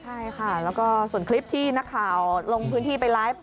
ใช่ค่ะแล้วก็ส่วนคลิปที่นักข่าวลงพื้นที่ไปไลฟ์